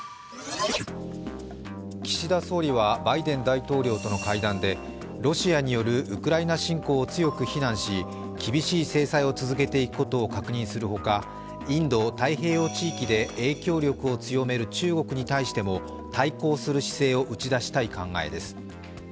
岸田総理はバイデン大統領との会談でロシアによるウクライナ侵攻を強く非難し、厳しい制裁を続けていくことを確認するほかインド太平洋地域で、影響力を強める中国に対しても対抗する姿勢を打ち出したい考えです。